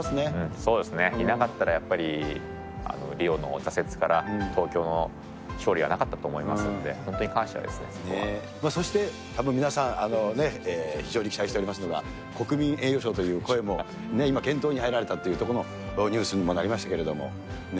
そうですね、いなかったらやっぱり、リオの挫折から東京の勝利はなかったと思いますんで、本当に感謝そしてたぶん皆さん、非常に期待しておりますのが、国民栄誉賞という声も今、検討に入られたというところのニュースにもなりましたけれどもね。